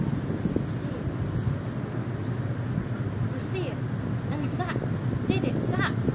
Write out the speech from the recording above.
"I see it!" he muttered. "I see it! And THAT did it that!